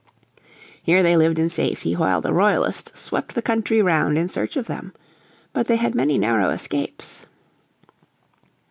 Here they lived in safety while the Royalists swept the country round in search of them. But they had many narrow escapes.